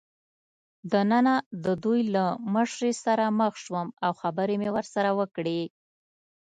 دننه د دوی له مشرې سره مخ شوم او خبرې مې ورسره وکړې.